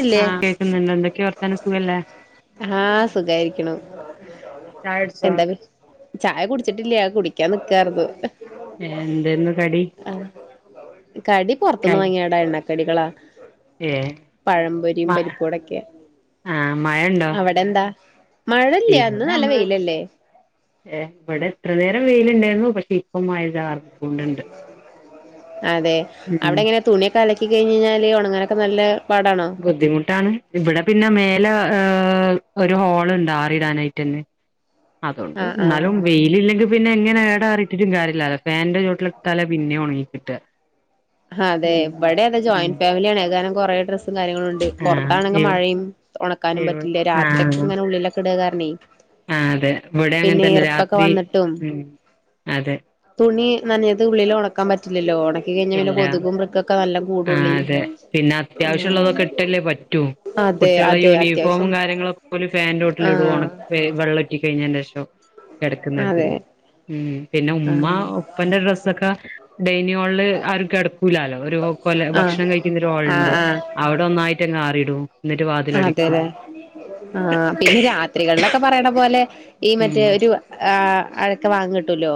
ഇല്ലേ ആഹ് കേൾക്കുന്നുണ്ട് എന്തൊക്കെ വർത്താനും സുഖല്ലേ ആഹ് സുഖായിരിക്കുണു എന്താ ചായ കുടിച്ചിട്ടില്ല കുടിക്കാൻ നിക്കാറുന്ന് എന്തെന്ന് കടി ആഹ് കടി പൊറത് ക ന്ന് വാങ്ങിയാടാ എണ്ണക്കടികളാ ഏഹ് പഴപൊരിയും മ പരിപ്പൂവടക്കെ ആഹ് മഴണ്ടോ അവിടെ എന്താ മഴല്ല്യ ന്ന് ഇവിടെ നല്ല നമ്മള് വേയിലല്ലേ ഏഹ് ഇവിടെ എത്ര നേരം വെയിലിണ്ടായിരുന്നു പക്ഷെ ഇപ്പം മഴചാറ് അതെ ഉം അവിടെ എങ്ങനെ തുണിയൊക്കെ അലക്കി കഴിഞ്ഞഴിഞ്ഞാല് ഉണങ്ങാനൊക്കെ നല്ല പാടാണോ ബുദ്ധിമുട്ടാണ് ഇവിടെ പിന്നെ മേലെ ഏഹ് ഒരു ഹോള് ഇണ്ട് ആറിടാനായിട്ട് തന്നെ അതൊണ്ട് ആഹ് ആഹ് ന്നാലും വെയി ലില്ലെങ്കി പിന്നെങ്ങനെടെ അറിട്ടിട്ടും കാര്യല്ലലോ ഫാന്റെ ചോട്ടില് ഇട്ടാലേ പിന്നെ ഉണങ്ങികിട്ടാ ഹതെ ഇവിടെ അതെ ഉം ജോയിന്റ് ഫാമിലിയാണ് ഏതാനം കുറെ ഡ്രസ്സും കാര്യങ്ങളും ഉണ്ട് ആഹ് പുറത്താണെങ്ങ ഇവ് മഴയും ഉണക്കാനും ഇവ് പറ്റില്ല ആഹ് രാത്രിയക്കെ ഇങ്ങനെ ഉള്ളിലൊക്കെ ഇട് കാരണെ ആഹ് അതെ ഇവിടെ അങ്ങൻ തന്നെ രാത്രി വന്നിട്ടും ഉം അതെ തുണി നഞ്ഞത് ഉള്ളിലോ ഉണക്കാ പറ്റില്ലല്ലോ ഉണക്കി കഴിഞ്ഞാപിന്നെ ല്ല ആഹ് അതെ പിന്നെ അത്യാവശ്യള്ളതൊക്കെ ഇട്ടല്ലേ പറ്റൂ ആ അതെ കുട്ടിളെ അതെ അത്യാവശ്യം യൂണിഫോമും കാര്യങ്ങളൊക്കെ പോല് ഫാൻറ്റോട്ടില് ആ ഇടു ണക്കി വെള്ള റ്റി കഴിഞ്ഞേന്റെഷം എടക്കുന്ന ഇടത്തിൽ അതെ ഉം പിന്നെ ഉമ്മ ആ പ്പന്റെ ഡ്രസ്സൊക്കെ ഡൈനി ഹോളില് ആരും കിടക്കൂലാലോ ഒരു കൊല ആ ഭക്ഷണം ആ കഴിക്കുന്നൊരാളുണ്ട് അവിടെ ഒന്നായിട്ടങ്ങാറിടും അതെല്ലെ ആഹ് പിന്നെ രാത്രികളിലൊക്കെ പറയണ പോലെ ഈ മറ്റേ ഉം ഒരു ആഹ് അഴക്ക വാങ്ങട്ടൂല്ലോ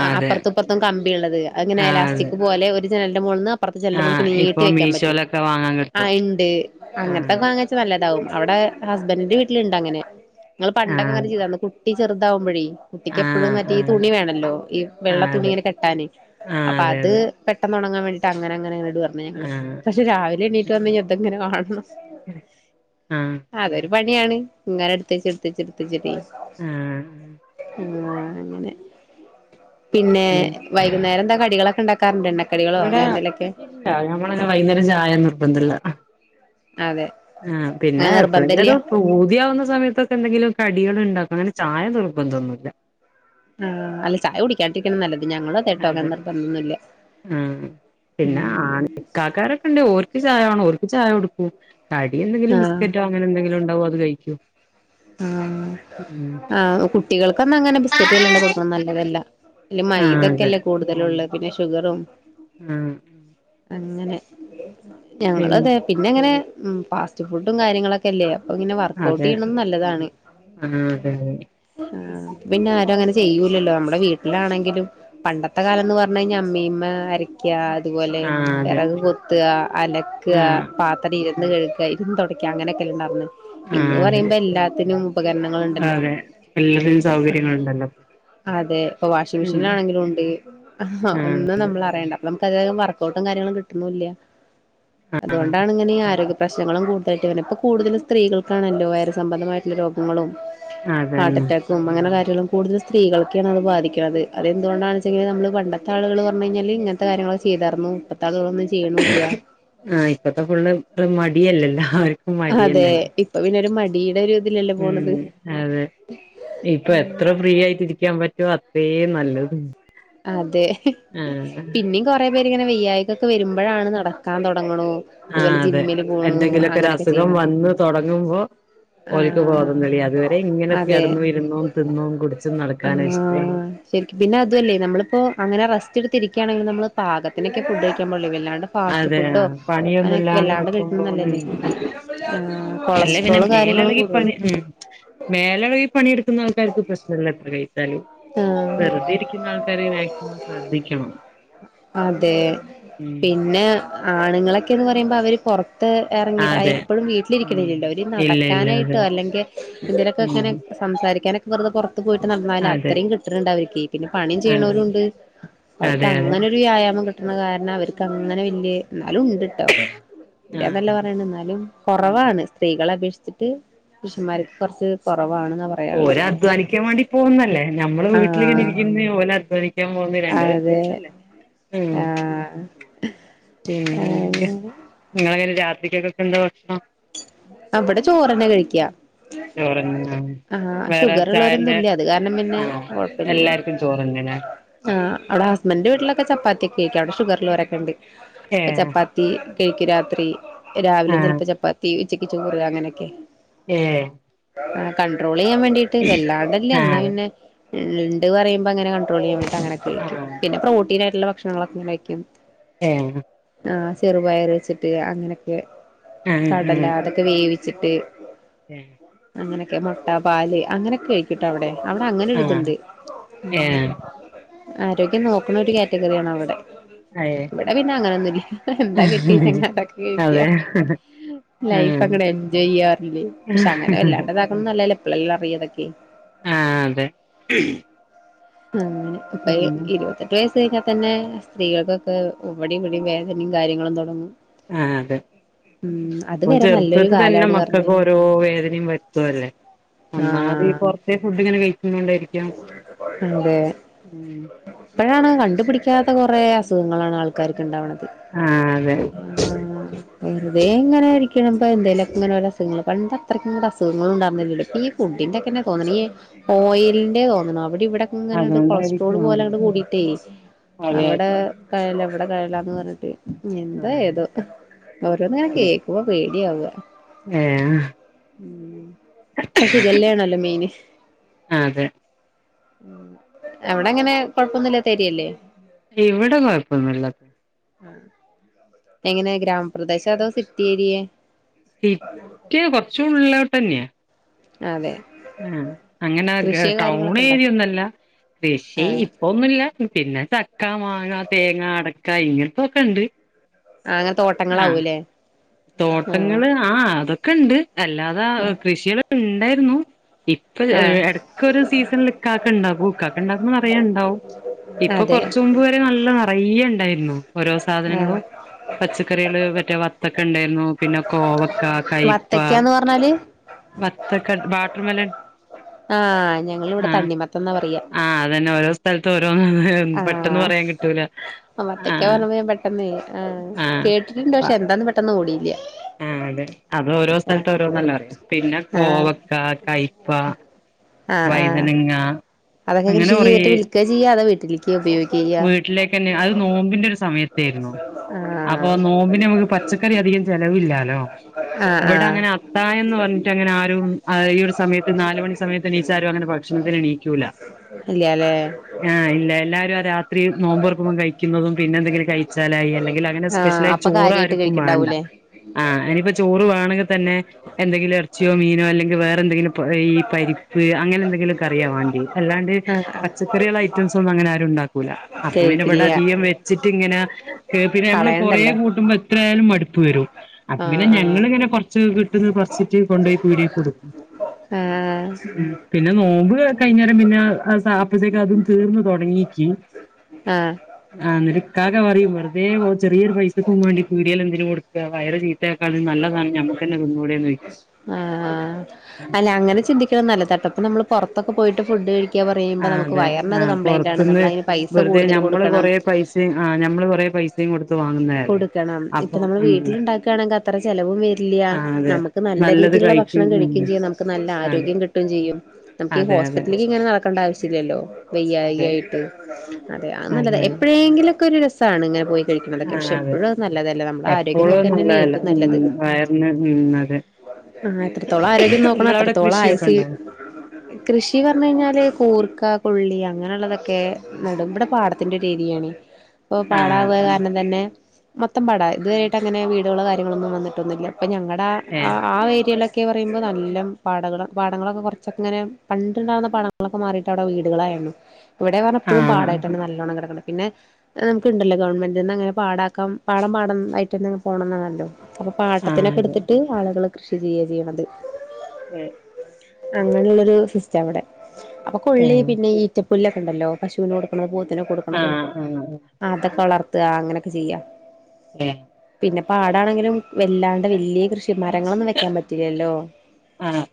ആഹ് അപ്പർത്തുപ്പർത്തും കമ്പിള്ളത് അഹ്ങ്ങനെ ആഹ് അതെ അലാസ്റ്റിക് പോലെ ഒരു ജനലന്റെ മോൾന്ന് അപ്പുറത്ത് ജെൽനപൊളിക്ക് ആഹ് നീട്ടി ഇപ്പൊ വെക്കാൻ പറ്റും മീഷോലൊക്കെ വാങ്ങാൻ കിട്ടും ആഹ് ഇണ്ട് അങ്ങനെ ആഹ് അങ്ങൻതെ നല്ലതാവും അവ്ടെ ഹസ്ബൻറിന്റെ വീട്ടില്ണ്ട് അങ്ങനെ നിങ്ങൾ പണ്ടൊക്കെ അങ്ങനെ ആഹ് ചെയ്താന്ന് കുട്ടി ചെറുതാവുമ്പഴേ കുട്ടിക്ക് എപ്പഴും ആഹ് മറ്റേ ഈ ആഹ് തുണി വേണല്ലോ ഈ വെള്ള ആഹ് തുണി അതെ ഇങ്ങനെ കെട്ടാന് ആഹ് അപ്പ അതെ അത് അതെ പെട്ടെന്ന് ഒണങ്ങാൻ വേണ്ടിട്ട് അങ്ങനങ്ങന ഇട് പറഞ്ഞു ഞങ്ങള് ആഹ് പക്ഷെ രാവിലെ എണീറ്റ് വന്ന കഴിഞ്ഞ് ഇതിങ്ങനെ കാണണം ആഹ് അതൊരു പണിയാണ് ഇങ്ങനെ എടുത്തിച്ച് എടുത്തിച്ച് എടുത്തിച്ചിട്ട് ആഹ് ഉം ആഹ് അങ്ങനെ പിന്നെ ഉം വൈകുന്നേരം എന്താ കടികളൊക്കെ ഇണ്ടാക്കാറുണ്ട് എണ്ണ കടികളോ അങ്ങനെ എന്തെലോക്കെ [unintelligible] ഞമ്മലങ്ങനെ വൈകുന്നേരം ചായാ നിർബന്ധല്ല അതെ ആഹ് പിന്നെ അങ്ങനെ നിർബന്ധല്ല എപ്പളെങ്കിലുക്കെ പൂതിയാവുന്ന സമയത്തൊ തെന്തെങ്കിലും കടികള് ണ്ടാക്കും അങ്ങനെ ചായ നിർബന്ധന്നുല്ല ആഹ് അല്ല ചായ കുടിക്കാണ്ടിരിക്ണ നല്ലത് ഞങ്ങളോ തെട്ടോക്കെ അങ്ങനെ നിർബന്ധന്നുല്ല ഉം പിന്നെ ആൺ ഇക്കാക്കാരൊക്കെ ണ്ട് ഓൽക്ക് ചായ വാണം ഓൽക്ക് ചായ കൊടുക്കൂ കടി എന്തെങ്കിലും ആഹ് ബിസ്ക്കറ്റോ അങ്ങനെ എന്തെങ്കിലും ഉണ്ടാവു അത് കഴിക്കു ആഹ് ആ കുട്ടികൾക്കൊന്ന അങ്ങനെ ബിസ്ക്കറ്റ് വല്ലാണ്ട് കൊടുക്കണ നല്ലതല്ല അയില് ആഹ് മൈദൊക്കെ അതെ അല്ലേ കൂടുതലുള്ള പിന്നെ ഷുഗറും ആഹ് അങ്ങനെ പിന്നെ ഞങ്ങളതെ പിന്നെങ്ങനെ ഫാസ്റ്റ് ഫുഡും കാര്യങ്ങളൊ ക്കല്ലേ അപ്പ പിന്നെ വർക്കഔട്ട് അതെ ചെയ്യ്ണം നല്ലതാണ് ആഹ് അതെ അതെ ആ പിന്നെ ആരും അങ്ങനെ ചെയ്യൂലല്ലോ നമ്മടെ വീട്ടിലാണെങ്കിലും പണ്ടത്തെ കാലം ന്ന് പറഞ്ഞു കഴിഞ്ഞാ അമ്മീമ്മ അര ക്ക അതുപോലെ ആഹ് അതെ വിറക് കൊത്താ -? അലക്ക ആഹ് പാ ത്രം ഇരുന്ന് കഴ്ക്ക ഇരുന്ന് തുടയ്ക്ക അങ്ങനെയൊക്കെ ല്ലേ ഇണ്ടാർന്ന് ഇന്ന് ആഹ് അതെ പറയുമ്പോ എല്ല തിനു ഉപകരണങ്ങളുണ്ടല്ലോ അതെ എല്ലാത്തിനും സൗകര്യങ്ങളുണ്ടല്ലോ അതെ ഇപ്പൊ വാഷിംഗ് ഉം മെഷീനിലാണെങ്കിലും ഉണ്ട് ആഹ് ഒന്നും നമ്മള പറയണ്ട നമുക്ക് അങ്ങനെ വർക്കഔട്ടും കാര്യങ്ങളും കിട്ടുന്നുല്ല ആഹ് അതൊണ്ടാണ് ഇങ്ങനെ ഈ ആരോഗ്യ പ്രശ്നങ്ങളും കൂടുതലായിട്ട് വര ഇപ്പൊ കൂടുതലും സ്ത്രീകൾക്കാണല്ലോ വയറു സംബന്ധമായിട്ടുള്ള രോഗങ്ങളും ഹാർട്ട് അതന്നെ അറ്റാക്ക് തും അങ്ങന കാര്യങ്ങളും കൂടുതൽ സ്ത്രീകൾക്കാണത് ബാധിക്കണത് അത് എന്തുകൊണ്ടാണ് ച്ചങ്കില് നമ്മള് പണ്ടത്തെ ആള്കള് പറഞ് കഴിഞ്ഞാ ഇങ്ങന് ത്തെ ഇത്തെ കാര്യങ്ങള് ചെയ്താർന്നു ഇപ്പത്തെ ആളുകളൊന്നും ചെയ്യ്ണുല്ല ആഹ് ഇപ്പത്തെ ഫുള്ള് ത് മടിയല്ലെ എല്ലാർ അതെ ഇപ്പൊ പിന്നെ ഒരു മടിയുടെ ഒരു ഇതിലല്ലേ ഉം പോണത് അതെ ഇപ്പൊ എത്ര ഫ്രീ ആയിട്ട് ഇരിക്കാൻ പറ്റും അ അത്രയേ നല്ലത് അതെ ആഹ് പിഞ്ഞി കൊറെ പേരിങ്ങനെ വെയ്യായി കൊക്കെ വരുമ്പോഴാണ് നടക്കാൻ തൊടങ്ങ്ണു ആഹ് അതുപോലെ അതെ ജിമ്മില് പോണു എന്തെങ്കിലൊക്കെ ഒരു അങ്ങനെയൊക്കെ അസുഖം ചെയ്യണ വന്ന് തൊടങ്ങുമ്പോ ഓൽക്ക് ബോധം തെളിയും അതുവരെ ഇങ്ങനെ അതെ കെടന്ന് ഇരുന്നും തിന്നും കുടിച്ചും നടക്കാന ഇഷ്ടം ആഹ് ശരിക്കും പിന്നെ അതുവല്ലേ നമ്മളിപ്പോ അങ്ങന റസ്റ്റ് എടുത്തിരിക്കുകയാണെങ്കിൽ നമ്മള് പാകത്തിനൊക്കെ ഫുഡ് കഴിക്കാൻ പാടുള്ളേ വല്ലാണ്ട് ഫാസ്റ്റ് അതെ ഫുഡോ അങ്ങനെ പണിയൊന്നുല്ലാണ്ട് വല്ലാണ്ട് കഴിക്കുന്ന നിക്കുമ്പോ നല്ലല്ലേ ഉം അല്ല പിന്നെ കൊളസ്ട്രോള് കാര്യങ്ങളും കൂ മേലളകി പണി ഉം മേലന കി പണിയെടുക്കുന്ന ആൾക്കാർക്ക് പ്രശ്നമല്ല എത്ര കഴിച്ചാലും ആഹ് വെറുതെ ഇരിക്കുന്ന ആൾക്കാരെ മാക്സിമം ശ്രദ്ധിക്കണം അതെ ഉം പിന്നെ ആണുങ്ങളൊക്കെന്ന് പറയുമ്പോ അവര് പൊറ ത്ത് എറങ്ങിയിട്ട് അതെ എപ്പോളും ഉം വീട്ടിലിരിക്കണില്ലല്ലോ അവര് ഇല്ല ഇല്ല അതെ നടക്കാനായിട്ടോ അല്ലെങ്കിൽ എന്തങ്കലൊക്കെ ഇങ്ങനെ ഉം സംസാരിക്കാനൊക്കെ വെറുതെ പൊറത്ത് പോയിട്ട് നടന്നാല് അതെ അത്രയും കിട്ടണ്‌ണ്ട് അവർക്കെ പിന്നെ പണിയും ആഹ് ചെയ്യണവരും ഉണ്ട് ക്ക അതെ അതെ അങ്ങനെ ഒരു വ്യായാമം കിട്ടുന്ന കാരണം അവർക്ക് അങ്ങനെ വല്യയ എന്നാലും ഉണ്ട് ആഹ് ഇല്ലന്നല്ല അതെ പറയണെ എന്നാലും ഉം കൊറവാണ് സ്ത്രീകളെ അപേക്ഷിച്ചി ട്ട് അതെ പുരുഷന്മാർക്ക് കൊറച്ച് കുറവാണ്ന്നാ പറ് ഓര് അധ്വാനിക്കാൻ വേണ്ടി പോകുന്നല്ലേ നമ്മള് വീട്ടില് ഇങ്ങനെ ആഹ് ഇരിക്കുന്ന് ഓല അധ്വാനി ക്കാൻ പോന്ന് രണ്ട് അതെ വത്യാസംല്ലേ ആഹ് പിന്നെന്തൊക്കെ അങ്ങനെ നിങ്ങള രാത്രിക്കൊക്കൊക്കെ എന്താ ഭക്ഷണം ആ ഇമ്പടെ ചോറ്ന്നെ കഴിക്കാ ആഹ് വേറെ ഷുഗർ ചായന്റെ ഉള്ളവരൊന്നുംല്ല അത് കാരണം പിന്നെ ആഹ് കൊ എല്ലാർക്കും ചോറ് ന്നെ ലേ ആഹ് അവിടെ ഹസ്ബൻഡന്റെ വീട്ടിലൊക്കെ ചപ്പാത്തി ഒക്കെ ആയിരിക്കും അവിടെ ഷുഗർ ഉള്ളവരൊക്കെ ഇണ്ട് ഏഹ് ചപ്പാ ത്തി കഴിക്ക് രാത്രി രാവിലെ ചെല് ആഹ് പ്പ ചപ്പാത്തി ഉച്ചക്ക് ചോറ് അങ്ങനെയൊക്കെ ഏഹ് ആഹ് കൺട്രോൾ ചെയ്യാൻ വേണ്ടീട്ട് വെല്ലാണ്ട്ല്ല എന്നാ ആഹ് പിന്നെ ഇണ്ട് പറയുമ്പോ അങ്ങനെ കണ്ട്രോൾ ചെയ്യാൻ വിട്ട് അങ്ങനെക്കെ കഴിക്കും ആഹ് പിന്നെ പ്രോട്ടീൻ ആയിട്ടുള്ള ഭക്ഷണങ്ങളൊക്കെ കഴിക്കും ഏഹ് ആഹ് ചെറുപയർ വെച്ചിട്ട് അങ്ങനെയൊക്കെ ആഹ് കടല ആഹ് അതൊക്കെ വേവിച്ചിട്ട് [unintelligible] അങ്ങനെക്കെ മൊട്ട പാല് അങ്ങനെക്കെ കഴിക്കും കിട്ട അവിടെ, അവിടെ ആഹ് അങ്ങനെരുതുണ്ട് ഉം. ഏഹ് ആരോഗ്യം നോ നൊറ്റു കാറ്റഗറിയാണവടെ അയേ ഇവിടെ പിന്നെ അങ്ങനൊന്നുല്ല എന്താ കിട്ടീച്ച ങ്ങട്ടക്ക കഴിക്യ. അതെ ലൈഫ് ആഹ് അങ്ങട് എൻജോയ് ചെയ്യാറില്ലേ പക്ഷെ അങ്ങനെ വല്ലാണ്ട്താക്കുന്ന അല്ലല്ലോ എപ്പ്ളേലും അറിയതൊക്കെ ആഹ്, അതെ അങ്ങനെ [unintelligible] ഈ പിന്നെ ഇരുപത് റേസ്സ് കഴിഞ്ഞാ തന്നെ സ്ത്രീകൾക്കൊക്കെ ഇവിടെയും ഇവിടെയും വേദനയും കാര്യങ്ങളും തുടങ്ങും ആ അതെ ഉം അത് ഇപ്പൊ, വരെ നല്ലൊരു ചെറുപ്പത്തി തന്നെ കാലാണ് മക്കക്ക് പറഞ്ഞില്ലേ ഓരോ വേദനിം വര്ത്തും ല്ലേ. ഒന്നാമത് ഈ ആഹ് പൊറത്തെ ഫുഡിങ്ങനെ കഴിക്കുന്നുണ്ടായിരിക്കും അതെ, ഇപ്പഴാണ് കണ്ടുപിടിക്കാത്ത കൊറെ അസു അസുഖങ്ങളാണ് ആൾക്കാർക്ക് ഉണ്ടാവണ്ത്. ആ അതെ [unintelligible] വെറുതെ ഇങ്ങനെയിരിക്കുണമ്പോ എന്തേലൊക്കെ ഇങ്ങനെ ഓരോ അസുഖങ്ങൾ. പണ്ട് അത്രക്കുംങ്ങട്ട് അസുഖങ്ങളുണ്ടാർന്നില്ല ല്ലോ? പ്പ ഈ ഫുഡിന്റെക്കെ തോന്നണു, ഈ ഓയിൽ ന്റെ തോന്നണു, അവിടെ ഇവിടെ. ഇങ്ങനണ്ട് കൊളസ്ട്രോള് അതുകൊണ്ടായിരിക്കും പോലെങ്ങ്ട് കൂടിട്ടേ അതെ അവടെ അതെ കഴല, വിടെ കഴലന്ന് പറഞ്ഞിട്ട്. എന്താ ആഹ് ഏതോ, ഓരോന്നിങ്ങനെ അതെ കേക്ക പൂവ പേടിയാവ. ഏഹ് ഉം, പക്ഷെ കല്യാണല്ലോ മെയിന്. ആ അതെ [inaudible] അവടങ്ങനെ കൊഴപ്പൊന്നുല്ലാത്ത എരിയല്ലേ ഇവടെ കൊഴപ്പൊന്നൂല്ല എങ്ങനെ ഗ്രാമപ്രദേശ, അതോ സിറ്റി ഏരിയെ? ഇക്ക് കൊറച്ചു ഉള്ളിലോട്ടന്നെയാ അതെ ആ അങ്ങന ഗ കൃഷിയോ കാര്യങ്ങളൊക്കെ ഉണ്ടോ ടൗണേരിയൊന്നല്ല കൃഷി അതെ ഒന്നുല്ല. പിന്നെ ചക്ക, മാങ്ങ, തേങ്ങ അടക്ക, ഇങ്ങൻത്തോക്കെ ണ്ട്. ആഹ്, അങ്ങൻതോട്ടങ്ങളാവൂ ല്ലേ? തോട്ടങ്ങള് ആ അതൊക്കെണ്ട് അല്ലാതെ കൃഷികളൊക്കെണ്ടായിരുന്നു ഇപ്പൊ, ആഹ് എട്ക്കൊരു സീസണ്ൽ ക്കാക്കെണ്ടാകും ക്കാക്ക ണ്ടാക്കുമ്പോ- നിറയണ്ടാവും. ഇപ്പൊ അതെ കൊറച് മുമ്പ് വ നല്ല നിറയെ ണ്ടായിരുന്നു. ഓരോ ആഹ് സാധനങ്ങളും പച്ചക്കറികള്, മറ്റെ വ. ക്കണ്ടായിരുന്നു. പിന്നെ കോവക്ക, കയ് പ്പ വത്തക്കാന്ന് പറഞ്ഞാല് വത്തക്ക, ബാട്ടർ മെലൺ. ആ ഞങ്ങിവിടെ ആഹ് തണ്ണിമത്തന്നാ പറയാ ആഹ്, അതന്നെ ഓരോ. സ് സ്ഥലത്ത് ഓരോന്ന് പെട്ടെന്ന് പറയാൻ കിട്ടൂല. വത്തക്കാ ആഹ് പറഞ്ഞപ്പൊ ഞാൻ പെട്ടെന്ന് ആഹ്, കേട്ടിട്ടുണ്ട് പക്ഷെ എന്താന്ന് പെട്ടെന്ന് ഓടില്യ. ആഹ്, അതെ, അത് ഓരോ സ്ഥലത്ത് ഓരോന്നല്ലെ പറയാ. പിന്നെ ആഹ് കോവക്ക, കയ്പ്പ. വൈതനങ്ങ അങ്ങനെ അതൊക്കെൃഷി ചെയ്തിട്ട് വിൽക ചെയ്യാ? അത വീട്ടിൽക്ക് ഉപയോ ഗിക്ക. വീട്ടിലേക്കെന്നെ അത് നോമ്പിന്റെ ഒരു സമയത്തെരുന്നു അപ്പൊ ആഹ് നോമ്പിനെ നമുക്ക് പച്ച കറി അധികം ചെലവില്ലാ ലോ? ആഹ് വിടെ ആഹ് അങ്ങനെ അത്തായം പറഞ്ഞിട്ട്ങ്ങനെ ആരും ആ ഈ ഒരു സമയത്ത് നാല് മണി സമയത്ത്ണീച്ചാലും അങ്ങനെ ഭക്ഷണത്തിനെണീക്കും ക്കൂല. ഇല്ല്യാല്ലേ ആഹ്, ഇല്ല, എല്ലാരും ആ രാ. നോമ്പറക്കുമ്പം കഴിക്കുന്നതും പിന്തെങ്കിലും കഴിച്ചാലായി. അല്ലെങ്കിൽ അങ്ങനെ ആഹ് സ്പെഷ്യലായി അപ്പൊ ചോറ് കാര്യായിട്ട് ആർക്കും വാണ്ട. കഴിക്കണ്ടാവൂലേ ആഹ്, അനിപ്പൊ ചോറ് വേണങ്കി തന്നെ എന്തെങ്കിലും എർച്ചിയോ, മീനോ അല്ലെങ്കിൽ വേറെ ന്തെങ്കിലും, ഈ പരിപ്പ് അങ്ങനെ എന്തെങ്കിലും കറിയാവാണ്ടി അല്ലാണ്ട് ആഹ് ആഹ് പച്ചക്കറിയുള്ള ഐറ്റംസ് ഒന്നും അങ്ങനെ ആരും ഉണ്ടാക്കൂല അപ്പൊ പിനെ ഇവിടെ കഴിക്കില്ല അധികം വെച്ചിട്ടങ്ങനെ കെ പിന്നെ നമ്മള് കൊറേ കളയണ്ടല്ലോ കൂട്ടുമ്പോ എത്രായാലും മടുപ്പ് വരും അപ്പ പിന്നെ ആഹ് ആഹ് ഞങ്ങള് ഇങ്ങനെ കൊറച്ച് കിട്ടന്ന് പറിച്ചിട്ട് കൊണ്ടയി പീടി കൊടുക്കും ആഹ് ഉം പിന്നെ നോമ്പ് കൈഞ്ഞേരം പിന്നെ അപ്പഴത്തേക്ക അത് തീർന്ന് തുടങ്ങിക്ക് ആഹ് ആഹ് ന്നട്ട് ക്കാക പറയും വെുതെ ഓൻ ചെറിയോരു പൈസക്കും വേണ്ടി പീടിയേൽ എന്തിന് കൊടുക്ക വയർ ചീ ത്തെക്കളും നല്ലതാണ് ഞമ്മക്കന്നെ തിന്നൂടെന്നോയ്ക്കും അങ്ങെ ചിന്തി ക്യും നല്ല തട്ടെപ്പ നമ്മള് പുറത്തൊക്ക പോയിട്ട് ഫുഡ് കഴി ക്ക്യാ പറയുമ്പോ ആ നമുക്ക് അതെ ആ വയർണത് കംപ്ലയിന്റ്ണ് പൊറത്ത്ന്ന് നമ്മൾ അയ്ന് പൈസ വെറുതെ കൂടുതൽ ഞമ്മള് കൊടുക്കണം കൊറേ പൈസയും ആ ഞമ്മള് കൊറേ പൈസയും കൊടുത്ത് വാങ്ങുന്നതല്ലേ കൊടുക്കണം ഇപ്പൊ അപ്പൊ നമ്മള് ഉം വീട്ടില്ണ്ടാക്കാണെങ്കില് അത്ര ചെലവും വരില്ല ആ അതെ നമക്ക് നല്ല നല്ലത് രീതിയിലുള്ള ഭക്ഷണം ഉം കഴിക്കും ചെയ്യ നമക്ക് നല്ല അതെ ആരോഗ്യം കിട്ടും ചെയ്യും നമക്കീ അതെ അതെ ഹോസിറ്റലിൽ ഇങ്ങനെ നടക്കണ്ട ആവ്ശ്യ ശ്യല്ലല്ലോ അതെ വെയ്യായികയായിട്ട് അതെ അത് നല്ലത അതെ അതെ എപ്പയേങ്കിലുക്കെ ഒരു രസാണ് ഇങ്ങനെ പോയി കഴിക്കണതക്കെ ആ പക്ഷെ അതെ എപ്പഴും നല്ലതല്ല നമ്മുടെ ആരോഗ്യം നോക്ക എപ്പോഴും തന്ന നല്ലതല്ല ഉം വയർന്ന് ഉം അതെ ആ എത്രത്തോളം ആരോഗ്യം നോക്കണം നിങ്ങളവിടെ അത്രത്തോളം ആയുസ് കൃഷിയൊക്കെണ്ടാ കൃഷി പറഞ്ഞു കഴിഞ്ഞാല് കൂർക്ക കൊള്ളി അങ്ങനെള്ളതൊക്കെ നടും ബടെ പാടത്തിന്റെര് ഏരീയാണ് ഇപ്പൊ ആ പാടാവ കാരണം തന്നെ മൊത്തം പാടാ ആ ഇതുവരായിട്ട് അങ്ങനെ വീടുകള കാര്യങ്ങളൊന്നും വന്നിട്ടൊന്നില്ല അപ്പൊ ഞങ്ങളുടെ ഏ ആഹ് ആഹ് ഏരിയയിലെ ക്കെ പറയുമ്പം നല്ലം പാടങ്ങള പാടങ്ങളൊക്കെ കുറച്ചൊക്ക ഇങ്ങനെ പണ്ട്ണ്ടാകുന്ന പാടങ്ങളൊക്കെ മാറിയി ട്ടവിടെ വീടുകളായിരുന്നു ഇവിടെന്ന്ർഞ ആ പ്പഴും പാടായിട്ടാണ് നല്ലോണം കിടക്ണ്ട് പിന്നെ ഏഹ് നമുക്ക്ണ്ടല്ലോ ഗവൺമെന്റിൽന്ന് അങ്ങനെ പാടാക്ക പാടം പാടതായിട്ട്ന്നെ പോണംന്നാണല്ലോ അപ്പൊ ആ അതെ പാട്ടത്തിനൊക്കടുത്തിട്ട് ആളുകള് കൃഷി ചെയ്യുക ചെയ്യണത് അങ്ങനെയുള്ളരു സിസ്റ്റം വിടെ അപ്പൊ കൊള്ളി ഏഹ് പിന്നെ ഈ ച്ച പുല്ലൊക്കെണ്ടല്ലോ പശുവിനെ കൊടുക്കണത് പൂത്തിനെ കൊടുക്കണത് ആഹ് ആഹ് ആതൊക്കെ വളർത്ത അങ്ങനെക്കെ ചെയ്യാ ഏഹ് പിന്നെ പാടാണെങ്കിലും വെല്ലാണ്ട് വല്യ കൃഷി മരങ്ങളൊന്നും വെക്കാൻ പറ്റില്ലല്ലോ ആഹ്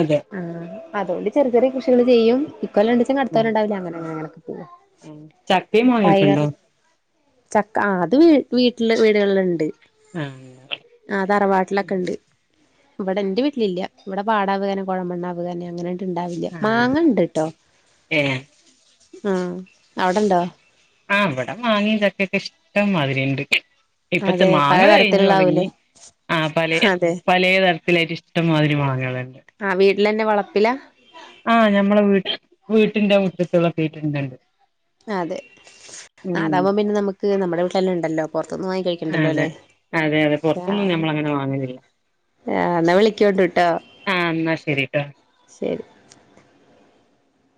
അതെ ആഹ് അതൊണ്ട് ചെറിയ ചെറിയ കൃഷികള് ചെയ്യും ഇക്കൊല്ല ണ്ട്ച്ച അടുത്തോല്ലം ഉണ്ടാവില്ല അങ്ങനങ്ങനെങ്ങനൊക്കെ പോ ചക്കിം മാങ്ങിയക്കണ്ടോ ചക്ക ആത് വീ വീട്ടില് വീടുകളിലുണ്ട് ആഹ് ആഹ് തറവാട്ടിലൊക്കെ ഉണ്ട് ഇവിടെ എന്റെ വീട്ടിലില്ല ഇവിടെ പാടാവകാരം കുഴമണ്ണ അവപകാനം അങ്ങനെ ണ്ടാവില്ല ആഹ് മാങ്ങണ്ട്ട്ടോ ഏഹ് ആഹ് അവിടെണ്ടോ ആഹ് വട മാങ്ങിം ചക്കൊക്കെ ഇഷ്ടം മാതിരിണ്ട് ഇപ്പതെ അതെ മാങ്ങ കഴിഞ്ഞ് തുടങ്ങി പലതരത്തിലുള്ളാവൂലേ ആഹ് പലെ അതെ പലേ തര ത്തിലായ്റ്റ് ഇഷ്ടമാതിരി മാങ്ങേള്ണ്ട് ആഹ് വീട്ടിലന്നെ വളപ്പില ആഹ് ഞമ്മളെ വീ വീട്ടിന്റെ മുറ്റത്തുള്ള കേട്ടുണ്ടല്ല് അതെ അതാഉമ്പ പിന്നെ നമ്മക്ക് നമ്മുടെ വീട്ടെല്ലാണ്ടല്ലോ പുറത് ന്ന് വാങ്ങി അതെ കഴിക്കണ്ടല്ലോല്ലേ അതെ അതെ പൊറ്ത്ത് ന്നൊന്നും ഞമ്മൾ അങ്ങനെ വാങ്ങലില്ല ഏ ഇന്നാ വിളിക്കോണ്ട്ട്ടോ ആഹ് ന്നാ ശരിട്ടോ ശരി